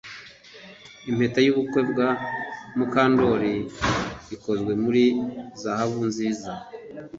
Impeta yubukwe bwa Mukandoli ikozwe muri zahabu nziza